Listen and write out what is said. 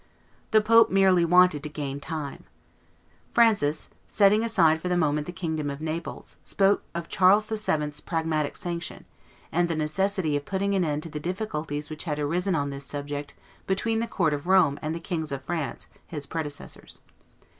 The pope merely wanted to gain time. Francis, setting aside for the moment the kingdom of Naples, spoke of Charles VII.'s Pragmatic Sanction, and the necessity of putting an end to the difficulties which had arisen on this subject between the court of Rome and the Kings of France, his predecessors.